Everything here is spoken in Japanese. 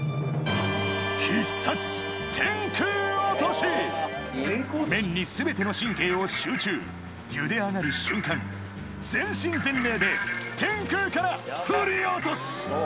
中村屋が麺に全ての神経を集中茹で上がる瞬間全身全霊で天空から振り落とす！